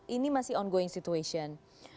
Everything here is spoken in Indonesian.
ini masih ongoing situation